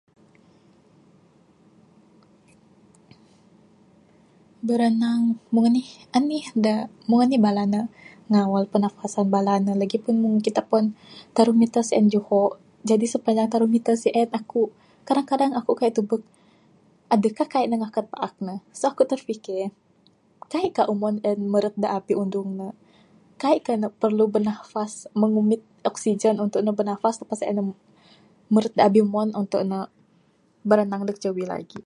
Biranang meng anih anih da meng anih bala ne ngawal pernafasan bala ne lagipun kita puan taruh meter sien juho jadi sepanjang taruh meter sien aku kadang kadang aku kaik tubek adeh ka kaik ne ngakat baak ne. Aku tefike kaik ka umon en meret da abih undung ne. Kaik ka ne perlu bernafas meng ne ngumit oksigen oksigen untuk ne bernafas meh sien ne meret abih umo untuk ne biranang neg jawi lagi.